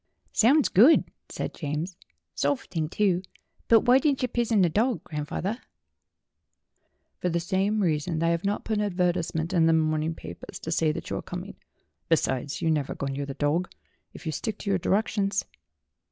"Sounds good," said James. "Soft thing, too. But why didn't yer pizun the dog, grandf awther ?" "For the same reason that I have not put an adver tisement in the morning papers to say that you are coming. Besides, you never go near the dog, if you stick to your directions."